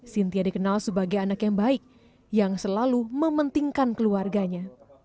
sintia dikenal sebagai anak yang baik yang selalu mementingkan keluarganya